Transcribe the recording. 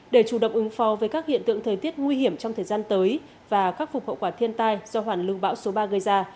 để chủ động ứng phó với các hiện tượng thời tiết nguy hiểm trong thời gian tới và khắc phục hậu quả thiên tai do hoàn lưu bão số ba gây ra